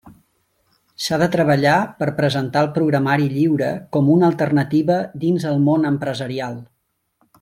S'ha de treballar per presentar el programari lliure com una alternativa dins el món empresarial.